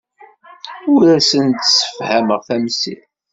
Ur asent-d-ssefhameɣ tamsirt.